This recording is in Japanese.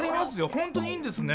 ほんとにいいんですね。